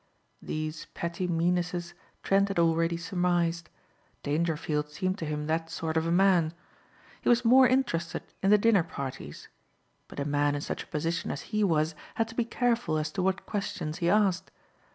These petty meannesses Trent had already surmised. Dangerfield seemed to him that sort of a man. He was more interested in the dinner parties. But a man in such a position as he was had to be careful as to what questions he asked.